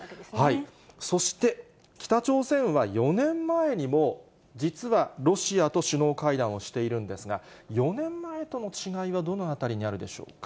そして、北朝鮮は４年前にも、実はロシアと首脳会談をしているんですが、４年前との違いはどのあたりにあるでしょうか。